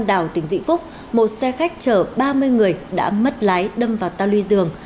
đảo tỉnh vĩnh phúc một xe khách chở ba mươi người đã mất lái đâm vào tàu ly dường